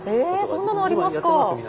えそんなのありますか。